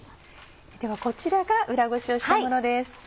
ではこちらが裏ごしをしたものです。